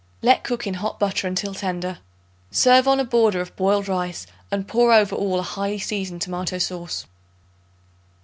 Let cook in hot butter until tender. Serve on a border of boiled rice and pour over all a highly seasoned tomato sauce.